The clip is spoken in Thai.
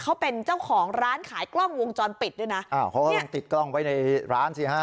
เขาเป็นเจ้าของร้านขายกล้องวงจรปิดด้วยนะอ้าวเขาก็ต้องติดกล้องไว้ในร้านสิฮะ